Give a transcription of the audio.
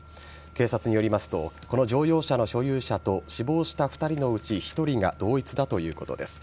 警察によりますとこの乗用車の所有者と死亡した２人のうち１人が同一だということです。